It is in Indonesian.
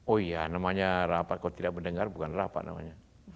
oh iya namanya rapat kalau tidak mendengar bukan rapat namanya